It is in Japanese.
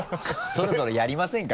そろそろやりませんか？